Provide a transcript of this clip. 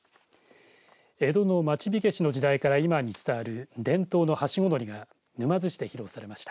江戸の町火消しの時代から今に伝わる伝統のはしご乗りが沼津市で披露されました。